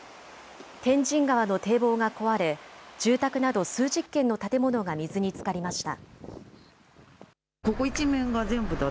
天神川の堤防が壊れ住宅など数十軒の建物が水につかりました。